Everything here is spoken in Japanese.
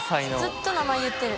ずっと名前言ってる。